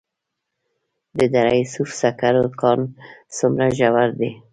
د دره صوف سکرو کان څومره ژور دی؟